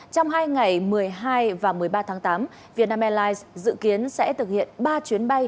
trong hai ngày một mươi hai và một mươi ba tháng tám vietnam airlines dự kiến sẽ thực hiện một trường hợp dương tính